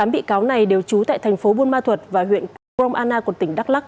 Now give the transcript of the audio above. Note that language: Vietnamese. tám bị cáo này đều trú tại thành phố buôn ma thuật và huyện gromana của tỉnh đắk lắc